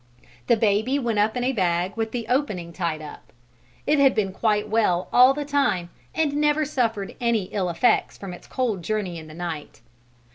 The baby went up in a bag with the opening tied up: it had been quite well all the time, and never suffered any ill effects from its cold journey in the night.